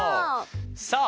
さあ